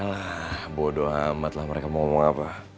alah bodo amat lah mereka mau ngomong apa